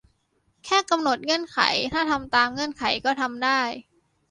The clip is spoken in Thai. แค่กำหนดเงื่อนไข ถ้าทำตามเงื่อนไขก็ทำได้